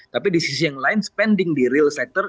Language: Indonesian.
tapi di sisi yang lain spending di real sector